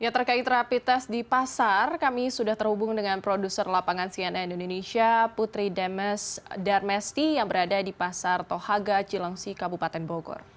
terkait rapi tes di pasar kami sudah terhubung dengan produser lapangan cnn indonesia putri demes darmesti yang berada di pasar tohaga cilengsi kabupaten bogor